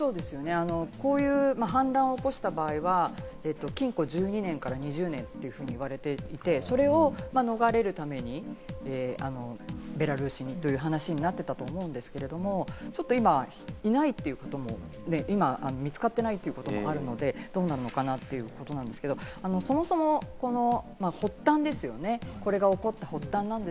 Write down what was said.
こういう反乱を起こした場合は、禁錮１２年から２０年と言われていて、それを逃れるためにベラルーシにという話になっていたと思うんですけれども、ちょっと今、いないということも、今、見つかっていないということもあるので、どうなのかなということなんですが、そもそもの発端ですよね。